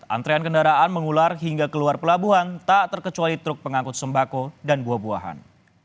antrean kendaraan mengular hingga keluar pelabuhan tak terkecuali truk pengangkut sembako dan buah buahan